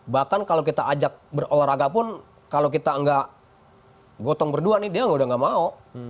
bahkan kalau kita ajak berolahraga pun kalau kita nggak gotong berdua nih dia udah gak mau